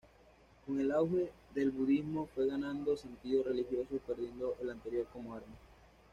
Con el auge del Budismo fue ganando sentido religioso perdiendo el anterior como arma.